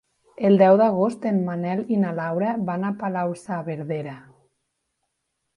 El deu d'agost en Manel i na Laura van a Palau-saverdera.